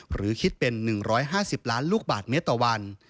หรือคิดเป็น๑๕๐ล้านลูกบาทเมตรต่อวัน